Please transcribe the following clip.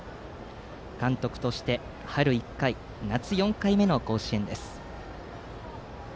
監督として春１回夏４回目の甲子園です。